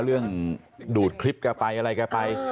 เรื่องดูดคลิปแกไปอะไรแกไป